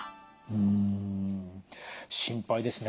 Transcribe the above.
うん心配ですね。